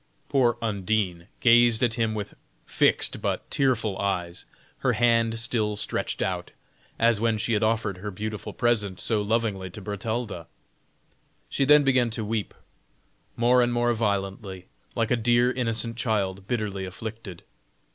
Poor Undine gazed at him with fixed but tearful eyes, her hand still stretched out, as when she had offered her beautiful present so lovingly to Bertalda. She then began to weep more and more violently, like a dear innocent child bitterly afflicted.